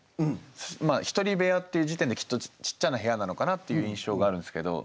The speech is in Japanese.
まあ「一人部屋」っていう時点できっとちっちゃな部屋なのかなっていう印象があるんですけど。